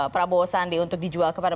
prabowo sandi untuk dijual kepada